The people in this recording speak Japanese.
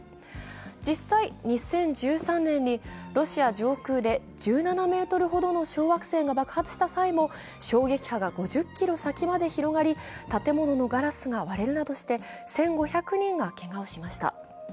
実際、２０１３年にロシア上空で１７ｍほどの小惑星が爆発した際も衝撃波が５０ｋｍ先まで広がり、建物のガラスが割れるなどして１５００人がけがをしました。